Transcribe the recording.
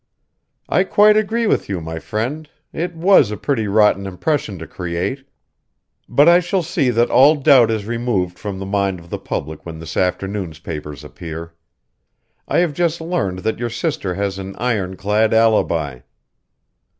"I quite agree with you, my friend it was a pretty rotten impression to create; but I shall see that all doubt is removed from the mind of the public when this afternoon's papers appear. I have just learned that your sister has an ironclad alibi."